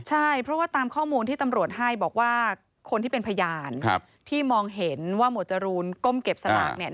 ใช่เพราะว่าตามข้อมูลที่ตำรวจให้บอกว่าคนที่เป็นพยานที่มองเห็นว่าหมวดจรูนก้มเก็บสลากเนี่ย